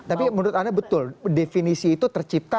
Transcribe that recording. tapi menurut anda betul definisi itu tercipta